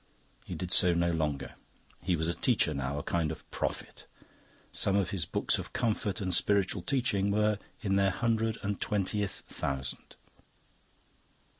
He did so no longer. He was a teacher now, a kind of prophet. Some of his books of comfort and spiritual teaching were in their hundred and twentieth thousand.